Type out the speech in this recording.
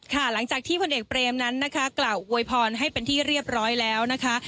หลังจากที่พลเอกเบรมนั้นนะคะกล่าวอวยพรให้เป็นที่เรียบร้อยแล้วนะคะ